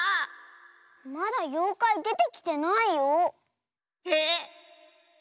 まだようかいでてきてないよ。へ？